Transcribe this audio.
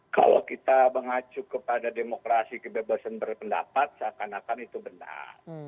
kalau kita mengacu kepada demokrasi kebebasan berpendapat seakan akan itu benar